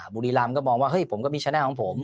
บุรีรำก็มองว่าเฮ้ยผมก็มีชนะของผม